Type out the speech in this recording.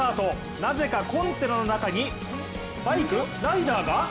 なぜかコンテナの中にバイク、ライダーが？